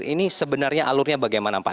ini sebenarnya alurnya bagaimana pak